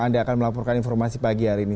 anda akan melaporkan informasi pagi hari ini